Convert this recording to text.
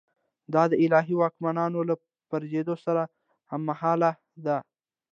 دا د الهي واکمنانو له پرځېدو سره هممهاله ده.